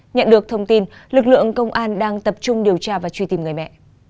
nhận được thông tin lực lượng công an đang tập trung điều tra và truy tìm người mẹ